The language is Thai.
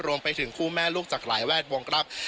รวมไปถึงคู่แม่ลูกจากหลายแวดวงครับ